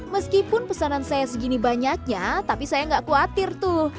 meskipun pesanan saya segini banyaknya tapi saya gak khawatir tuh